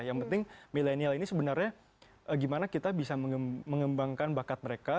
yang penting milenial ini sebenarnya gimana kita bisa mengembangkan bakat mereka